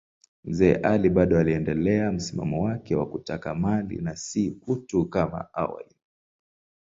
Mzee Ali bado aliendelea msimamo wake wa kutaka mali na si utu kama awali.